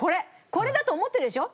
これだと思ってるでしょ？